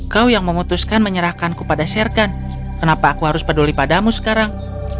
kau yang memutuskan menyerahkanku pada sherkan kenapa aku harus peduli padamu sekarang